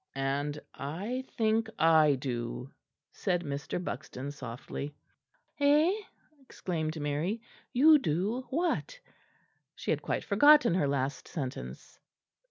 "And I think I do," said Mr. Buxton softly. "Eh?" exclaimed Mary, "you do what?" She had quite forgotten her last sentence.